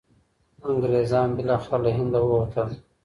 انګریزان بالاخره له هنده ووتل.